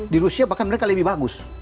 di rusia bahkan mereka lebih bagus